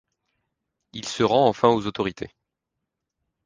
Il se rend enfin aux autorités.